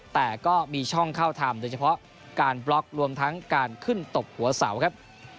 แต่ก็มีช่องเข้าทำโดยเฉพาะการบล็อกรวมทั้งการขึ้นตบหัวเสาครับ